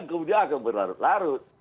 kemudian akan berlarut larut